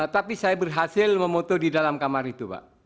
tapi saya berhasil memoto di dalam kamar itu pak